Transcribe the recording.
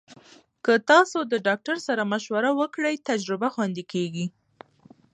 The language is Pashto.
که تاسو د ډاکټر سره مشوره وکړئ، تجربه خوندي کېږي.